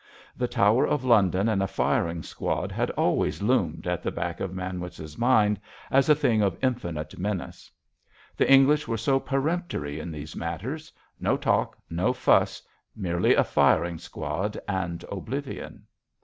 The Tower of London and a firing squad had always loomed at the back of Manwitz' mind as a thing of infinite menace. The English were so peremptory in these matters—no talk, no fuss; merely a firing squad and oblivion!